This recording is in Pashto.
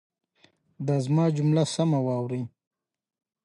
په بدل کې ورکول کېږي.